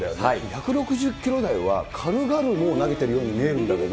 １６０キロ台は、軽々もう投げてるように見えるんだけど。